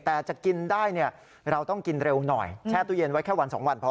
แต่จะกินได้เนี่ยเราต้องกินเร็วหน่อยแช่ตู้เย็นไว้แค่วัน๒วันพอ